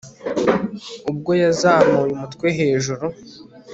ubwo yazamuye umutwe hejuru